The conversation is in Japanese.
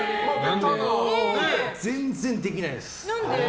全然できないです。